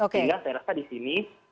sehingga saya rasa di sini